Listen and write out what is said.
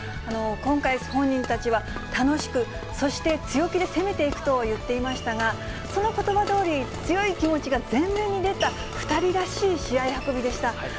今回、本人たちは楽しく、そして強気で攻めていくと言っていましたが、そのことばどおり、強い気持ちが前面に出た、２人らしい試合運びでした。